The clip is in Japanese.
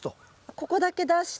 ここだけ出して。